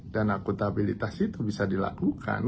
dan akuntabilitas itu bisa dilakukan